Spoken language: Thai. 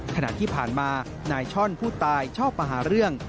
ขณะที่ผ่านมานายช่อนผู้ตายชอบมาหาเรื่อง